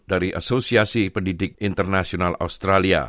dari asosiasi pendidik internasional australia